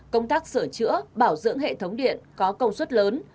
công tác sửa chữa bảo dưỡng hệ thống điện có công suất lớn